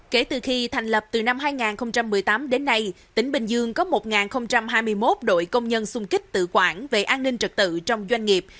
kể từ khi thành lập từ năm hai nghìn một mươi tám đến nay tỉnh bình dương có một hai mươi một đội công nhân xung kích tự quản về an ninh trật tự trong doanh nghiệp